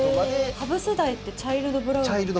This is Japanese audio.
羽生世代ってチャイルドブランド。